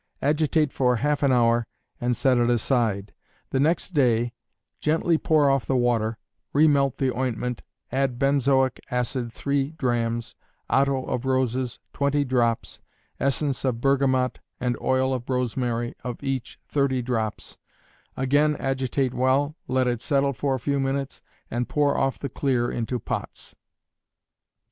Agitate for half an hour, and set it aside; the next day gently pour off the water, remelt the ointment, add benzoic acid three drachms; otto of roses, twenty drops; essence of bergamot and oil of rosemary, of each, thirty drops; again agitate well, let it settle for a few minutes, and pour off the clear into pots.